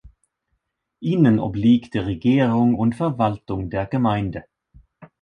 Ihnen obliegt die Regierung und Verwaltung der Gemeinde.